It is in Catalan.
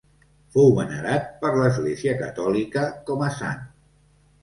Fou venerat per l'Església Catòlica com a sant.